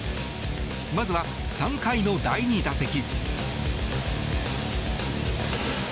まずは３回の第２打席。